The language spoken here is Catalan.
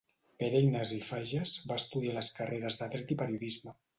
Pere Ignasi Fages va estudiar les carreres de dret i periodisme.